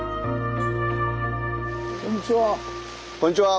こんにちは。